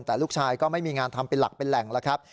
แต่ลูกชายก็ไม่มีงานทำเป็นหลักเป็นแหล่งแล้วครับ